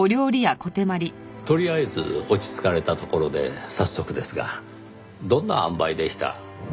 とりあえず落ち着かれたところで早速ですがどんなあんばいでした？